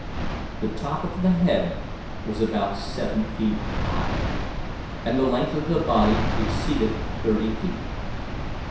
The top of the head was about seven feet high, and the length of the body exceeded thirty feet.